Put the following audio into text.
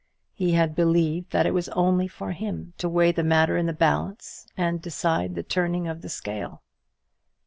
He had believed that it was only for him to weigh the matter in the balance and decide the turning of the scale.